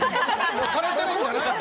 もうされてんじゃない？